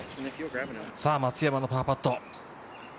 松山のパーパット。